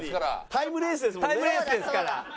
タイムレースですから。